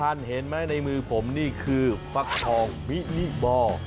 สำคัญเห็นไหมในมือผมนี่คือฟักพองวินิบอล